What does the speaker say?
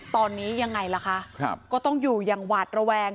ตอนนี้ยังไงล่ะคะก็ต้องอยู่อย่างหวาดระแวง